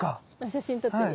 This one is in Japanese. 写真撮ってみる？